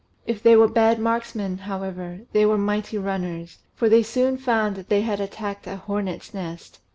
If they were bad marksmen, however, they were mighty runners; for they soon found that they had attacked a hornets' nest.